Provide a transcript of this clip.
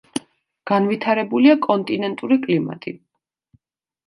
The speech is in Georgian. განვითარებულია კონტინენტური კლიმატი.